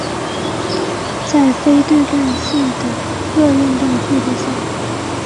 在非相对论性的热运动速度下。